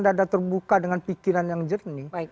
dada terbuka dengan pikiran yang jernih